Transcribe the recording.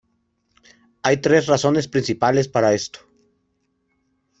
Hay tres razones principales para esto.